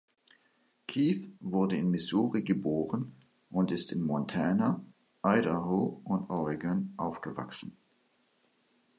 Keith wurde in Missouri geboren und ist in Montana, Idaho und Oregon aufgewachsen.